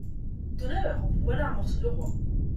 D’honneur ! voilà un morceau de roi !…